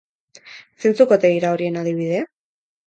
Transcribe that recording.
Zeintzuk ote dira horien adibide?